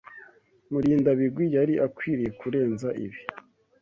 Murindabigwi yari akwiriye kurenza ibi.